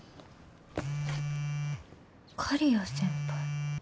刈谷先輩。